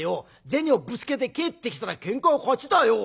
銭をぶつけて帰ってきたらケンカは勝ちだよ。